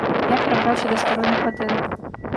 Я перабраўся да старой на кватэру.